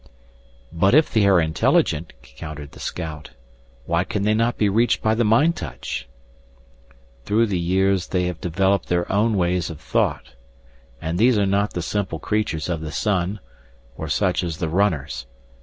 "But if they are intelligent," countered the scout, "why can they not be reached by the mind touch?" "Through the years they have developed their own ways of thought. And these are not the simple creatures of the sun, or such as the runners.